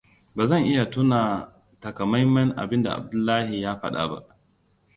Ba zan iya tuna takamaiman abinda Abdullahi ya fada ba.